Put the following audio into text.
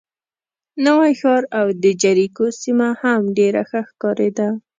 نوی ښار او د جریکو سیمه هم ډېره ښه ښکارېده.